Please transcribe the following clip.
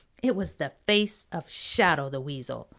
It was the face of Shadow the Weasel.